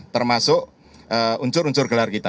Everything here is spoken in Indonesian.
termasuk uncur uncur gelar kita